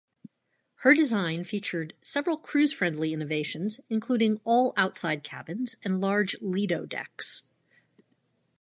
Her design featured several cruise-friendly innovations, including all-outside cabins and large lido decks.